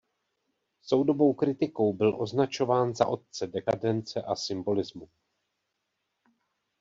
Soudobou kritikou byl označován za otce dekadence a symbolismu.